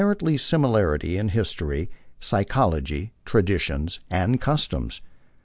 ent similarity in history, psychology, traditions, and customs.